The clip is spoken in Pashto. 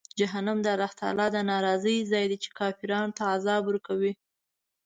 جهنم د الله تعالی د ناراضۍ ځای دی، چې کافرانو ته عذاب ورکوي.